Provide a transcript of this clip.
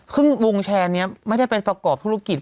คือวงแชร์นี้ไม่ได้เป็นประกอบธุรกิจ